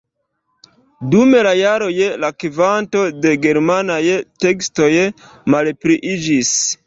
Dum la jaroj la kvanto de germanaj tekstoj malpliiĝis.